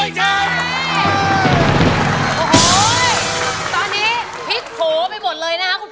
ไม่ใช้ค่ะไม่ใช้ค่ะค่ะอ๋อเฮ้โอ้โหตอนนี้พลิกผูไปหมดเลยนะครับคุณป่า